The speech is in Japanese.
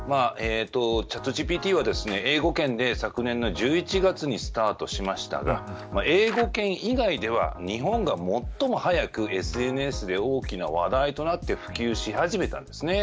チャットＧＰＴは英語圏で昨年の１１月にスタートしましたが英語圏以外では日本が最も早くＳＮＳで大きな話題となって普及し始めたんです。